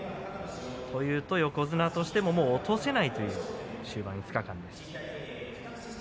横綱としても落とせないという終盤５日間です。